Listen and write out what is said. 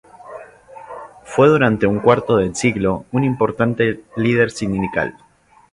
Fue durante un cuarto de siglo un importante líder sindical.